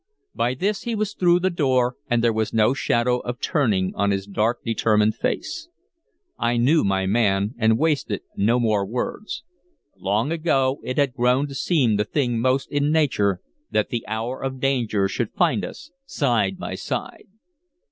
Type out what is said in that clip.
By this he was through the door, and there was no shadow of turning on his dark, determined face. I knew my man, and wasted no more words. Long ago it had grown to seem the thing most in nature that the hour of danger should find us side by side.